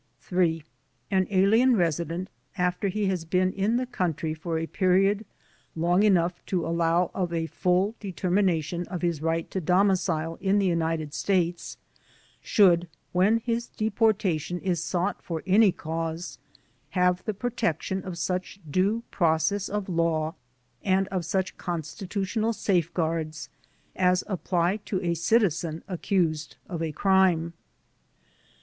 3. An alien resident after he has been in the country for a period long enough to allow of a full determination of his right to domicile in the United States should, when his deportation is sought for any cause, have the protec tion of such due process of law and of such constitu tional safeguards as apply to a citizen accused of a crime.